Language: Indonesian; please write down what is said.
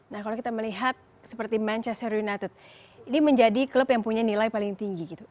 nah kalau kita melihat seperti manchester united ini menjadi klub yang punya nilai paling tinggi gitu